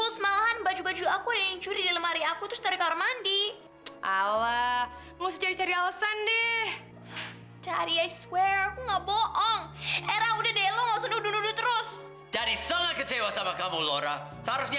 sampai jumpa di video selanjutnya